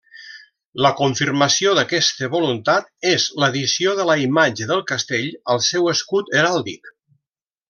La confirmació d'aquesta voluntat és l'addició de la imatge del castell al seu escut heràldic.